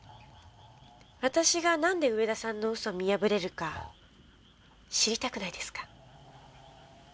私がなんで上田さんの嘘を見破れるか知りたくないですか？